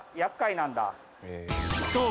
そう